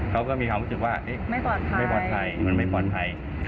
เขาก็มีความรู้สึกว่าไม่ปลอดภัยมันไม่ปลอดภัย